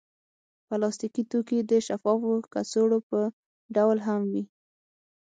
پلاستيکي توکي د شفافو کڅوړو په ډول هم وي.